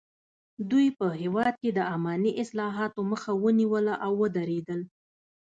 دوی په هېواد کې د اماني اصلاحاتو مخه ونیوله او ودریدل.